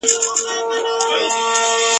یا به دی پخپله غل وي یا یې پلار خلک شکولي !.